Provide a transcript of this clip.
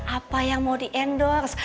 apa yang mau di endorse